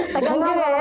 tegang juga ya